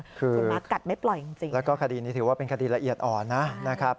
คุณม้ากัดไม่ปล่อยจริงแล้วก็คดีนี้ถือว่าเป็นคดีละเอียดอ่อนนะครับ